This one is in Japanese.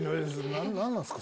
何なんすか？